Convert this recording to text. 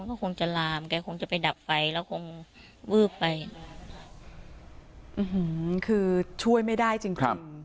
อื้อหือคือช่วยไม่ได้จริงครับ